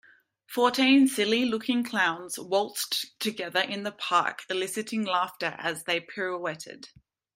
Fourteen silly looking clowns waltzed together in the park eliciting laughter as they pirouetted.